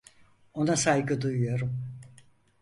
Ona saygı duyuyorum.